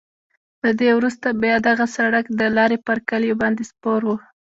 له دې وروسته بیا دغه سړک د لارې پر کلیو باندې سپور وو.